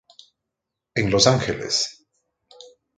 En Los Ángeles.